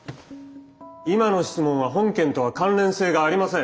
今の質問は本件とは関連性がありません。